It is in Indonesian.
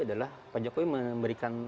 adalah pak jokowi memberikan